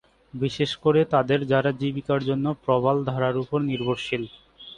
বিশেষ করে তাদের যারা জীবিকার জন্য প্রবাল ধরার উপর নির্ভরশীল।